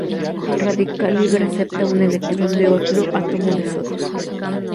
El radical libre acepta un electrón de otro átomo de sodio.